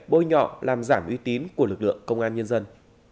bôi nhọ làm giảm uy tín của lực lượng công an nhân dân